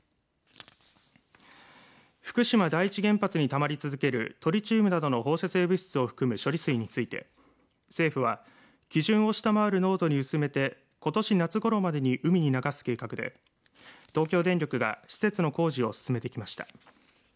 福島第一原発にたまり続けるトリチウムなどの放射性物質を含むの処理水について政府は基準を下回る濃度に薄めてことし夏ごろまでに海に流す計画で東京電力が施設の工事を進めてきました。